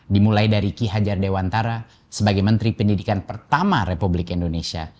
dimulai dari ki hajar dewantara sebagai menteri pendidikan pertama republik indonesia